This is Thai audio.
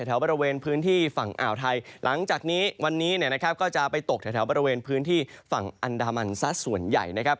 แถวบริเวณพื้นที่ฝั่งอ่าวไทยหลังจากนี้วันนี้เนี่ยนะครับก็จะไปตกแถวบริเวณพื้นที่ฝั่งอันดามันซะส่วนใหญ่นะครับ